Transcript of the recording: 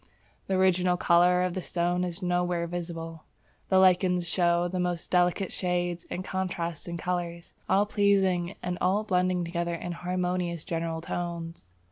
The original colour of the stone is nowhere visible. The lichens show the most delicate shades and contrasts in colour; all pleasing and all blending together in harmonious general tones.